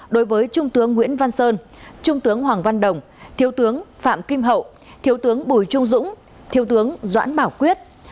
đối với trung tướng nguyễn văn sơn trung tướng hoàng văn đồng thiếu tướng phạm kim hậu thiếu tướng bùi trung dũng thiếu tướng doãn bảo quyết